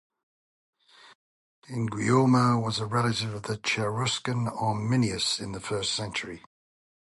"Inguiomer" was a relative of the Cheruscan Arminius in the first century.